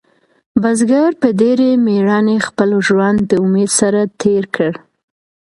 بزګر په ډېرې مېړانې خپل ژوند د امید سره تېر کړ.